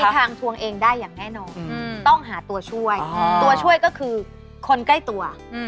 ทางทวงเองได้อย่างแน่นอนต้องหาตัวช่วยตัวช่วยก็คือคนใกล้ตัว